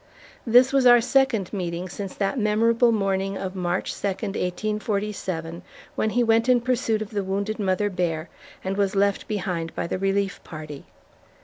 This was our second meeting since that memorable morning of March 2, 1847, when he went in pursuit of the wounded mother bear, and was left behind by the relief party.